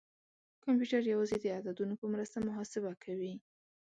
کمپیوټر یوازې د عددونو په مرسته محاسبه کوي.